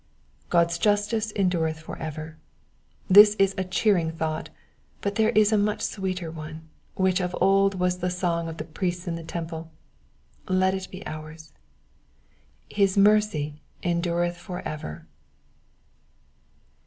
God's justice endureth for ever. This is a cheerintr thought, but there is a much sweeter one, which of old was the song of the priests in the temple ; let it be ours, " His mercy endureth for ever.''